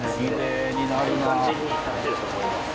いい感じになってると思います。